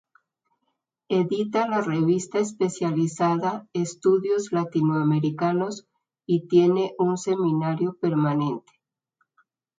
Edita la revista especializada Estudios Latinoamericanos y tiene un Seminario Permanente.